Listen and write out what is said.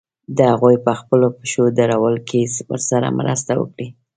د هغوی په خپلو پښو درولو کې ورسره مرسته وکړي.